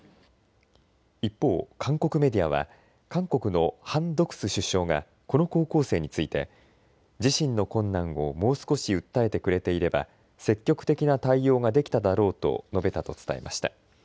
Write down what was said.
一方、韓国メディアは韓国のハン・ドクス首相がこの高校生について自身の困難をもう少し訴えてくれていれば積極的な対応ができただろうと述べたと伝えました。